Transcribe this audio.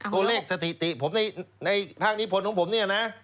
ตัวเลขสถิติผมในภาคนิพลของผมเนี่ยนะ